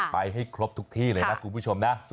ไปให้ครบทุกที่เลยนะคุณผู้ชมนะ